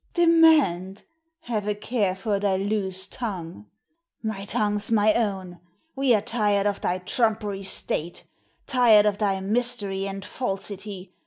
"Demand? Have a care for thy loose tongue!" "My tongue's my own! We are tired of thy trumpery state. Tired of thy mystery and falsity.